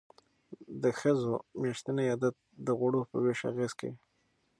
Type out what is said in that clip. د ښځو میاشتنی عادت د غوړو په ویش اغیز کوي.